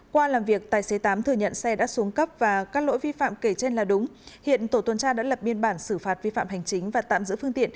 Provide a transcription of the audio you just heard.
qua làm việc tài xế tám thừa nhận xe đã xuống cấp và các lỗi vi phạm kể trên là đúng